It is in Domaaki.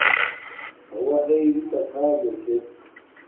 اوݳ ہݵئ رِتݳ کھݳݣݺ چھݺ.